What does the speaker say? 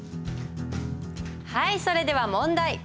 はいそれでは問題。